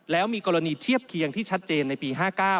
แล้วมีกรณีเทียบเคียงที่ชัดเจนในปี๕๙